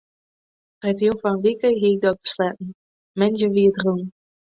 Freedtejûn foar in wike hie ik dat besletten, moandei wie it rûn.